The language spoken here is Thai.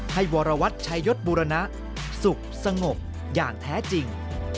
วรวัตรชายศบุรณะสุขสงบอย่างแท้จริง